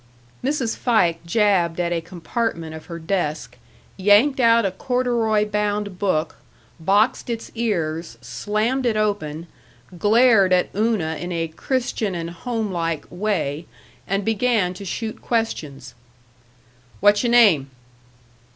Mrs. Fike jabbed at a compartment of her desk, yanked out a corduroy bound book, boxed its ears, slammed it open, glared at Una in a Christian and Homelike way, and began to shoot questions: "Whatcha name?"